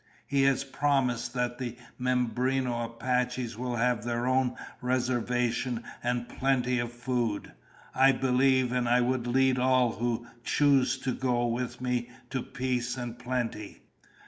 He has promised that the Mimbreno Apaches will have their own reservation and plenty of food. I believe, and I would lead all who choose to go with me to peace and plenty."